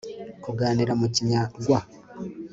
kuganira mu kinyarwa